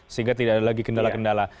sehingga tidak ada lagi kendala kendala